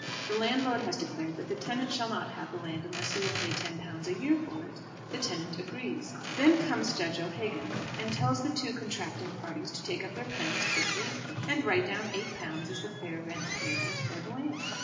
The landlord has declared that the tenant shall not have the land unless he will pay £10 a year for it. The tenant agrees. Then comes Judge O'Hagan and tells the two contracting parties to take up their pens quickly and write down £8 as the fair rent payable for the land.